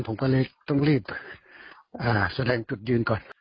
ผมก็เลยต้องรีบแสดงจุดยืนก่อน